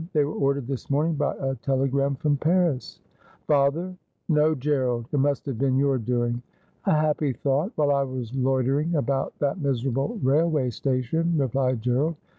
They were ordered this morning by a tele gram from Paris.' ' Father ! No, Gerald ; it must have been your doing.' ' A happy thought while I was loitering about that miserable railway station,' replied Gerald.